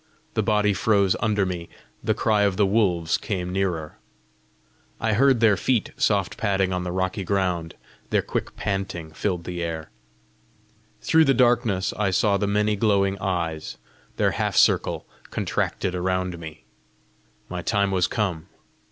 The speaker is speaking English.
The body froze under me. The cry of the wolves came nearer; I heard their feet soft padding on the rocky ground; their quick panting filled the air. Through the darkness I saw the many glowing eyes; their half circle contracted around me. My time was come!